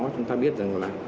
chúng ta biết rằng là